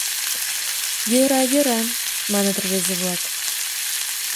— Йӧра, йӧра, — маныт рвезе-влак.